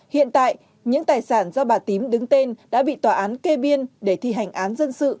hiện tại những tài sản do bà tím đứng tên đã bị tòa án kê biên để thi hành án dân sự